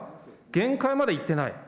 限界まで行ってない。